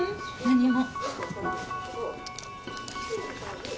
何も。